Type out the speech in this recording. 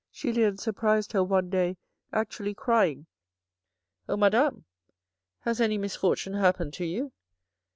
Julien surprised her one day actually crying. " Oh Madame ! has any misfortune happened to you